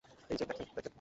এই যে, দেখেন, দেখেন।